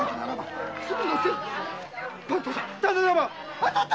当たった。